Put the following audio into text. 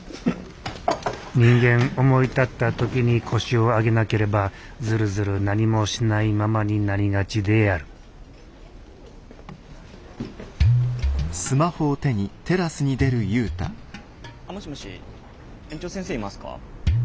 人間思い立った時に腰を上げなければずるずる何もしないままになりがちであるあもしもし園長先生いますか？